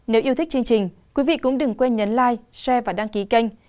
nếu yêu thích chương trình quý vị cũng đừng quên nhấn like share và đăng ký kênh